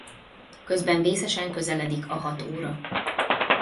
Közben vészesen közeledik a hat óra.